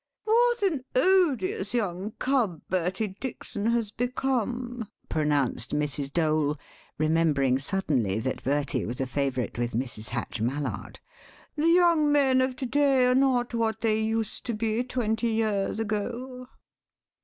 "What an odious young cub Bertie Dykson has become!" pronounced Mrs. Dole, remembering suddenly that Bertie was a favourite with Mrs. Hatch Mallard. "The young men of to day are not what they used to be twenty years ago."